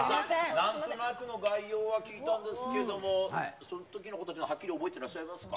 なんとなくの概要は聞いたんですけれども、そのときのことというのははっきり覚えてらっしゃいますか？